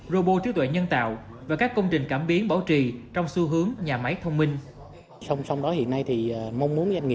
robot tiếu tuệ nhân tạo và các công trình cảm biến bảo trì trong xu hướng nhà máy thông minh